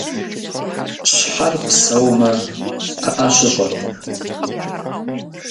Щхьэр псэумэ, пыӀэ щыщӀэркъым.